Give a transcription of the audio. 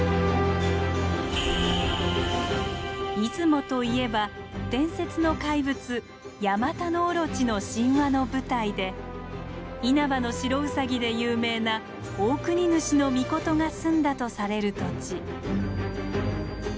出雲といえば伝説の怪物ヤマタノオロチの神話の舞台で「因幡の白兎」で有名なオオクニヌシノミコトが住んだとされる土地。